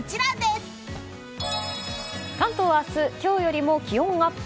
関東は明日今日よりも気温アップ。